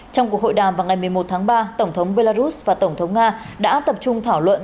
trong cuộc hội đàm vào ngày một mươi một tháng ba tổng thống belarus và tổng thống nga đã tập trung thảo luận